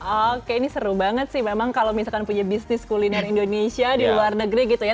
oke ini seru banget sih memang kalau misalkan punya bisnis kuliner indonesia di luar negeri gitu ya